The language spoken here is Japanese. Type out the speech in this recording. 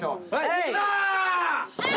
いくぞー！